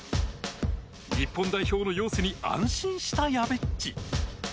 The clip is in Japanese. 日本代表の様子に安心したやべっち。